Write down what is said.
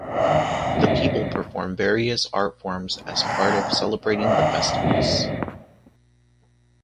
The people perform various art forms as part of celebrating the festivals.